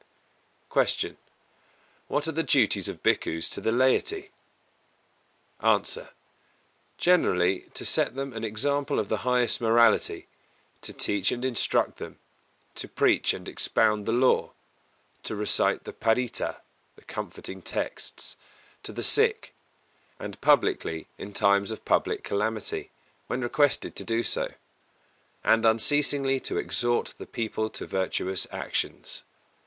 261. Q. What are the duties of Bhikkhus to the laity? A. Generally, to set them an example of the highest morality; to teach and instruct them; to preach and expound the Law; to recite the Paritta (comforting texts) to the sick, and publicly in times of public calamity, when requested to do so; and unceasingly to exhort the people to virtuous actions.